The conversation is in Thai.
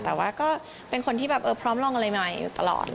แต่ว่าก็เป็นคนที่แบบพร้อมลองอะไรหน่อยอยู่ตลอด